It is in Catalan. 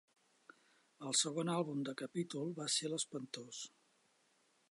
El segon àlbum de Capitol va ser l'espantós...